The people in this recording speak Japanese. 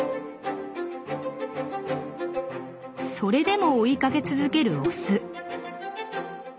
それでも追いかけ続けるオス。